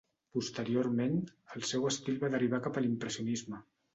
Posteriorment, el seu estil va derivar cap a l'impressionisme.